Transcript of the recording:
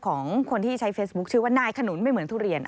ของคนที่ใช้เฟซบุ๊คชื่อว่านายขนุนไม่เหมือนทุเรียน